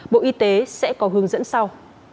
bộ y tế sẽ có hướng dẫn sau